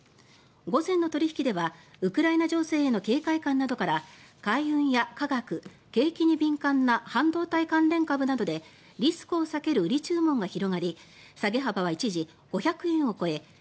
午前の取引ではウクライナ情勢への警戒感などから海運や化学、景気に敏感な半導体関連株などでリスクを避ける売り注文が広がり下げ幅は一時５００円を超え